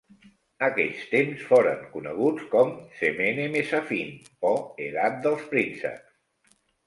Aquells temps foren coneguts com Zemene Mesafint o "Edat dels prínceps".